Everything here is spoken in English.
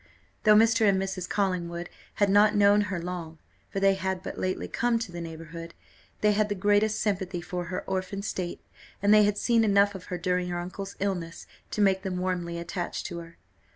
Though Mr. and Mrs. Collingwood had not known her long (for they had but lately come to the neighbourhood), they had the greatest sympathy for her orphan state; and they had seen enough of her during her uncle's illness to make them warmly attached to her.